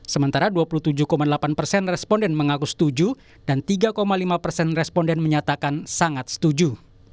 sementara dua puluh tujuh delapan persen responden mengaku setuju dan tiga lima persen responden menyatakan sangat setuju